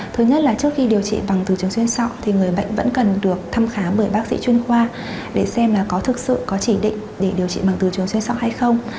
thứ nhất là trước khi điều trị bằng từ trường xuyên sọ thì người bệnh vẫn cần được thăm khám bởi bác sĩ chuyên khoa để xem là có thực sự có chỉ định để điều trị bằng từ trường xuyên sọ hay không